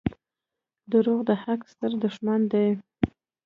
• دروغ د حق ستر دښمن دي.